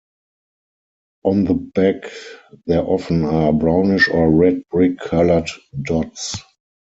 On the back there often are brownish or red-brick coloured dots.